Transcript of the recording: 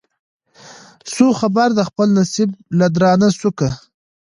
سو خبر د خپل نصیب له درانه سوکه